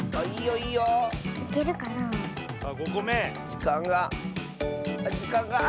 じかんがじかんがあ！